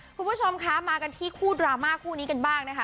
คุณผู้ชมคะมากันที่คู่ดราม่าคู่นี้กันบ้างนะคะ